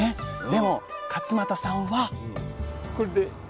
でも勝間田さんはこれで。